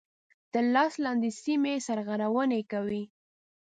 تر لاس لاندي سیمي سرغړوني کوي.